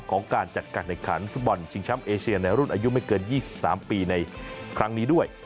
การจัดการแข่งขันฟุตบอลชิงช้ำเอเชียในรุ่นอายุไม่เกิน๒๓ปีในครั้งนี้ด้วย